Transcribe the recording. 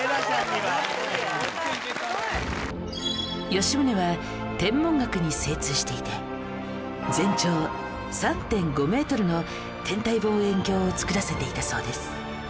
吉宗は天文学に精通していて全長 ３．５ メートルの天体望遠鏡を作らせていたそうです